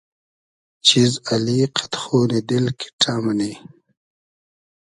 چیز اللی قئد خونی دیل کیݖݖۂ مونی